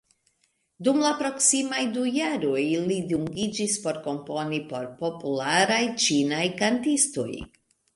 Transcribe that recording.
Dum la proksimaj du jaroj, li dungiĝis por komponi por popularaj ĉinaj kantistoj.